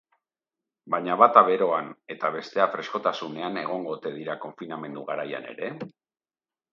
Baina bata beroan eta bestea freskotasunean egongo ote dira konfinamendu garaian ere?